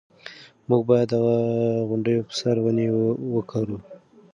موږ باید د غونډیو په سر ونې وکرو.